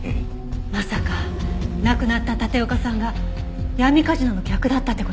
まさか亡くなった立岡さんが闇カジノの客だったって事？